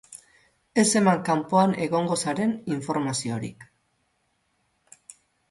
Ez eman kanpoan egongo zaren informaziorik.